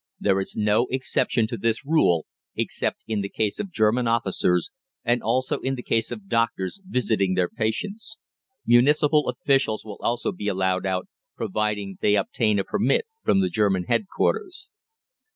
There is no exception to this rule except in the case of German Officers, and also in the case of doctors visiting their patients. Municipal officials will also be allowed out, providing they obtain a permit from the German headquarters.